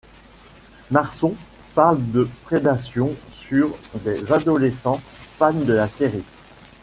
Marson parle de prédation sur des adolescents fans de la série.